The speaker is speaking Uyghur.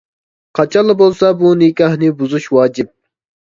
قاچانلا بولسا بو نىكاھنى بۇزۇش ۋاجىپ.